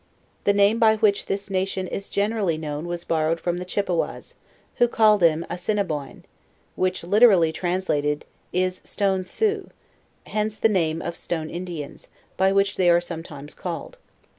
. The name by which this nation is generally known was borrowed from the Chippeways, who call them Assiimiboan, which litterally translated, is Stone Sioux, hence the name of Stone Indians, by which they are sometimes called.